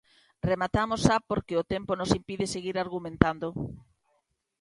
Rematamos xa porque o tempo nos impide seguir argumentando.